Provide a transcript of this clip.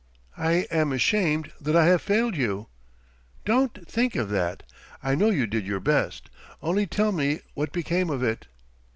"I am ashamed that I have failed you...." "Don't think of that. I know you did your best. Only tell me what became of it."